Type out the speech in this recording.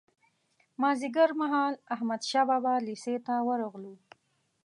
مازیګر مهال احمدشاه بابا لېسې ته ورغلو.